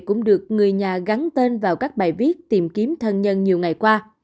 cũng được người nhà gắn tên vào các bài viết tìm kiếm thân nhân nhiều ngày qua